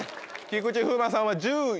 菊池風磨さんは１４。